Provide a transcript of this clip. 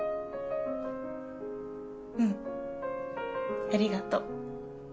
うんありがと。